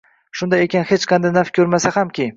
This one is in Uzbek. Shunday ekan, hech qanday naf ko‘rmasa hamki